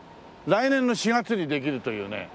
来年の４月にできるというね。